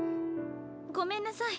ごめんなさい。